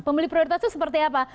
pembeli prioritas itu seperti apa